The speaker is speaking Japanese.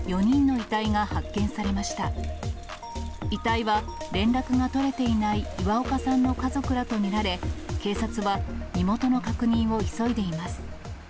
遺体は、連絡が取れていない岩岡さんの家族らと見られ、警察は身元の確認を急いでいます。